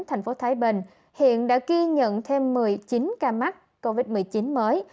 thành phố thái bình hiện đã ghi nhận thêm một mươi chín ca mắc covid một mươi chín mới